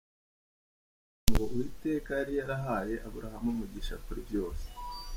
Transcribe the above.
" Ahubwo haravuga ngo Uwiteka yari yarahaye aburahamu umugisha kuri byose.